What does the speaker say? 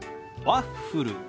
ワッフル。